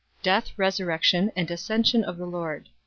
Death, Resurrection and Ascension of the LORD.